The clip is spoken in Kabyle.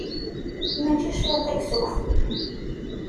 Mačči cwiṭ i yessukk fell-i.